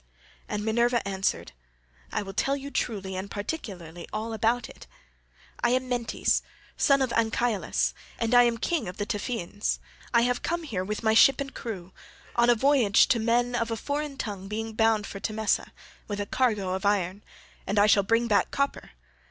And Minerva answered, "I will tell you truly and particularly all about it. I am Mentes, son of Anchialus, and I am King of the Taphians. I have come here with my ship and crew, on a voyage to men of a foreign tongue being bound for Temesa4 with a cargo of iron, and I shall bring back copper.